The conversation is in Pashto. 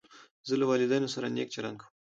زه له والدینو سره نېک چلند کوم.